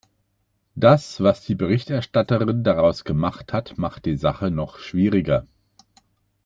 Das, was die Berichterstatterin daraus gemacht hat, macht die Sache noch schwieriger.